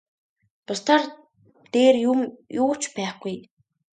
Бусдаар дээр юм юу ч байхгүй.